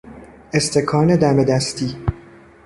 استکان دم دستی